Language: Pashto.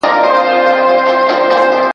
هم پروا نه لري !.